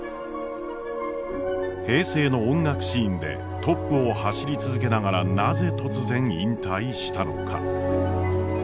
平成の音楽シーンでトップを走り続けながらなぜ突然引退したのか。